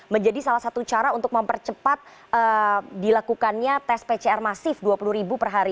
menjadi salah satu cara untuk mempercepat dilakukannya tes pcr masif dua puluh ribu per hari